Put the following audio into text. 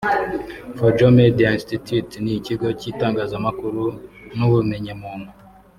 Fojo Media Institute ni ikigo cy’itangazamakuru n’ubumenyamuntu